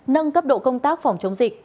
nâng cấp độ công tác phòng chống dịch